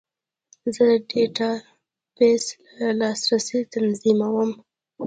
زه د ډیټابیس لاسرسی تنظیموم.